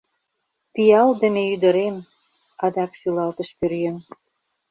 — Пиалдыме ӱдырем! — адак шӱлалтыш пӧръеҥ.